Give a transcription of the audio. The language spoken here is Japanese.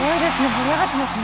盛り上がってますね。